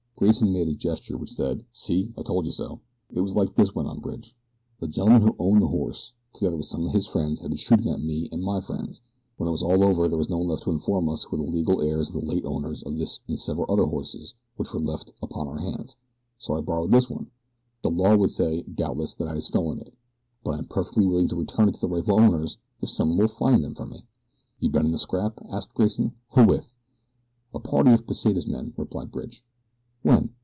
Grayson made a gesture which said: "See, I told you so." "It was like this," went on Bridge. "The gentleman who owned the horse, together with some of his friends, had been shooting at me and my friends. When it was all over there was no one left to inform us who were the legal heirs of the late owners of this and several other horses which were left upon our hands, so I borrowed this one. The law would say, doubtless, that I had stolen it; but I am perfectly willing to return it to its rightful owners if someone will find them for me." "You been in a scrap?" asked Grayson. "Who with?" "A party of Pesita's men," replied Bridge. "When?"